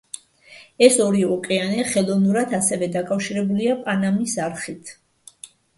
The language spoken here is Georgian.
ეს ორი ოკეანე ხელოვნურად ასევე დაკავშირებულია პანამის არხით.